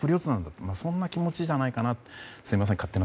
そんな気持ちなんじゃないかと。